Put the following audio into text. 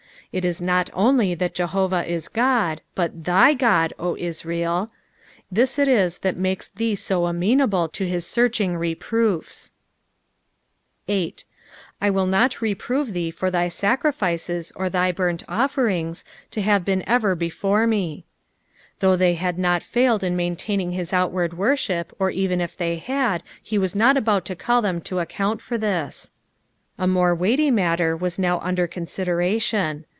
It is not only that Jehovah is Ood, but thy God, O Iwacl ; this it is that makes thee so amenable to }aa searching reproofs. 8. "/ vnu not reprme thx« for thy Mcryfeet or thy burnt offeringt, to hatf been ever bffare me." Though thej hiid not failed in maintaining his ontward wonbip, or even if the; had, he was not about to call them to account for this : a more weighty matter was now under consideration.